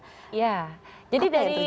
apa yang terjadi waktu itu